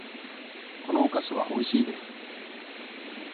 このお菓子はおいしいです。